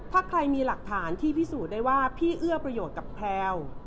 ถ้าใครมีหลักฐานที่พิสูจน์ได้ว่าพี่เอื้อประโยชน์กับแพลว